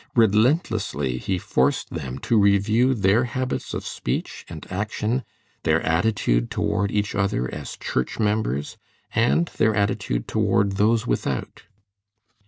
Relentlessly he forced them to review their habits of speech and action, their attitude toward each other as church members, and their attitude toward "those without."